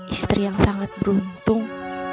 istri yang sangat beruntung